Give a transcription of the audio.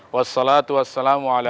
wassalamualaikum warahmatullahi wabarakatuh